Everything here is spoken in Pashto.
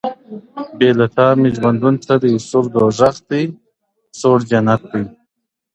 o بېله تا مي ژوندون څه دی سور دوزخ دی، سوړ جنت دی.